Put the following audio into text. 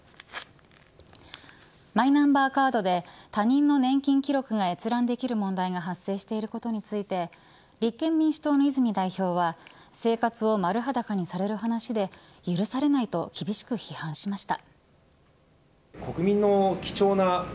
マイナンバーカードで他人の年金記録が閲覧できる問題が発生していることについて立憲民主党の泉代表は生活を丸裸にされる話で許されないと厳しく批判しました。